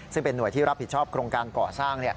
ซึ่งเป็นห่วยที่รับผิดชอบโครงการก่อสร้าง